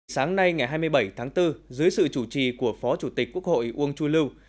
sáng nay ngày hai mươi bảy tháng bốn dưới sự chủ trì của phó chủ tịch quốc hội uông chu lưu